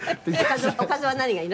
「おかずは何がいいの？